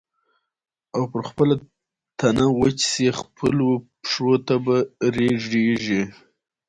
او پر خپله تنه وچ سې خپلو پښو ته به رژېږې